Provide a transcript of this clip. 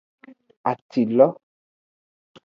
Atilo.